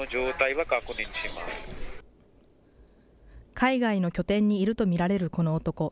海外の拠点にいると見られるこの男。